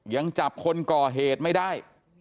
ยังจับคนก่อเหตุไม่ได้